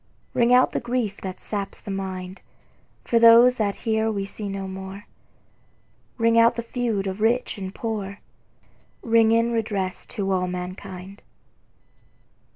Ring out the grief that saps the mind, For those that here we see no more, Ring out the feud of rich and poor, Ring in redress to all mankind.